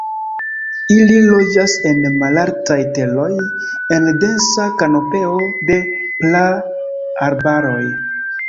Ili loĝas en malaltaj teroj, en densa kanopeo de praarbaroj.